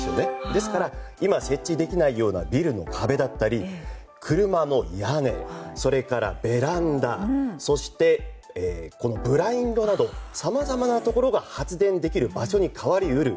ですから、今設置できないビルの壁だったり車の屋根、それからベランダそして、ブラインドなどさまざまなところが発電できる場所に変わり得る。